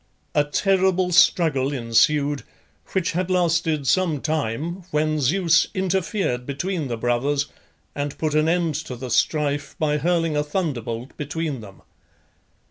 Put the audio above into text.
A terrible struggle ensued, which had lasted some time, when Zeus interfered between the brothers, and put an end to the strife by hurling a thunderbolt between them.